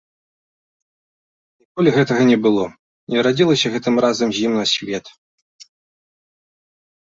Ніколі гэтага не было, не радзілася гэта разам з ім на свет!